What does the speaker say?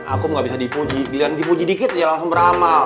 aku nggak bisa dipuji giliran dipuji dikit dia langsung beramal